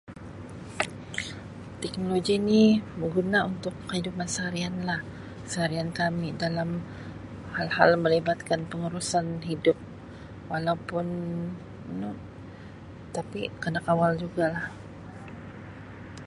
Teknologi ni berguna untuk kehidupan seharianlah seharian kami dalam hal hal dalam melibatkan urusan hidup walaupun anu tapi kena kawal jugalah.